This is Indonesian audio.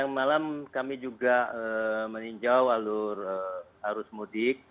malam kami juga meninjau alur arus mudik